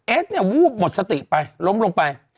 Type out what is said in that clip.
เอสเนี่ยวูบหมดสติไปล้มลงไป